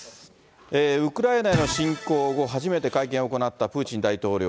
ウクライナへの侵攻後、初めて会見を行ったプーチン大統領。